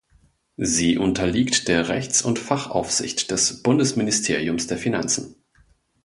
Sie unterliegt der Rechts- und Fachaufsicht des Bundesministeriums der Finanzen.